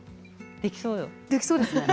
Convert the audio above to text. できそうです。